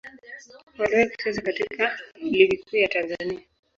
Waliwahi kucheza katika Ligi Kuu ya Tanzania.